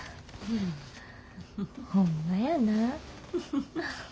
ホンマやな。